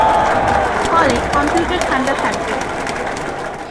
ফলে, কম্পিউটার ঠান্ডা থাকবে।